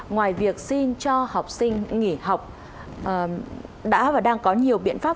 ngoài việc xin cho học sinh nghỉ học đã và đang có nhiều biện pháp